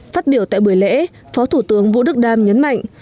phát biểu tại buổi lễ phó thủ tướng vũ đức đam nhấn mạnh